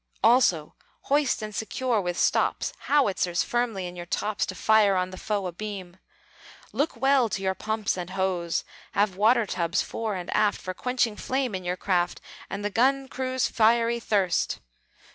Also hoist and secure with stops Howitzers firmly in your tops, To fire on the foe abeam. "Look well to your pumps and hose; Have water tubs fore and aft, For quenching flame in your craft, And the gun crew's fiery thirst.